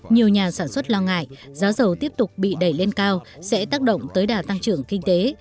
nhiều nhà sản xuất lo ngại giá dầu tiếp tục bị đẩy lên cao sẽ tác động tới đà tăng trưởng kinh tế